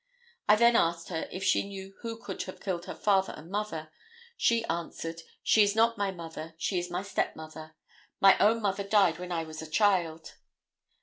I then asked her if she knew who could have killed her father and mother. She answered: "She is not my mother; she is my stepmother; my own mother died when I was a child."